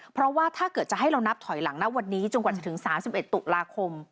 เพราะว่าถ้าเกิดจะให้เรานับถอยหลังนะวันนี้จนกว่าจะถึง๓๑ตุลาคม